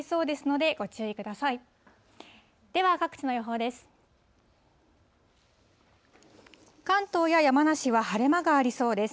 では、各地の予報です。